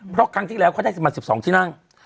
เพราะครั้งที่แล้วเขาได้ประมาณ๑๒ที่นั่ง